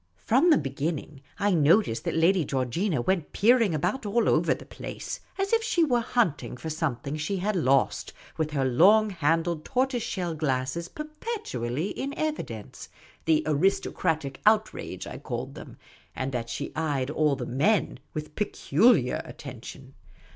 From the beginning I noticed that I<ady Georgina went peering about all over the place, as if she were hunting for something she had lost, with her long handled tortoise shell glasses perpetually in evidence — the " aristocratic outrage " I called them — and that she eyed all the men with peculiar attention.